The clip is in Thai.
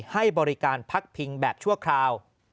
ให้บริการพักพิงแบบชั่วคราว